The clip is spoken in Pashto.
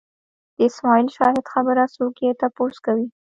د اسماعیل شاهد خبره څوک یې تپوس کوي